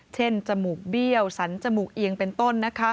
จมูกเบี้ยวสันจมูกเอียงเป็นต้น